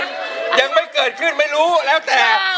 มันยังไม่เกิดขึ้นไม่รู้แล้วแต่